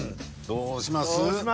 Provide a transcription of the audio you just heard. どうします？